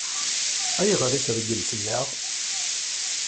Ayɣer i treggel fell-aɣ?